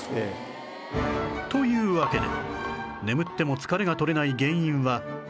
というわけで